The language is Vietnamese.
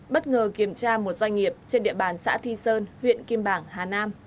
bất ngờ kiểm tra một doanh nghiệp trên địa bàn xã thi sơn huyện kim bảng hà nam